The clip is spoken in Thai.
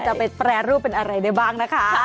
จะไปแปลรูปเป็นอะไรบ้างนะคะ